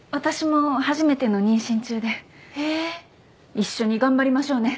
一緒に頑張りましょうね！